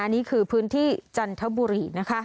นี่คือพื้นที่จันทบุรีนะคะ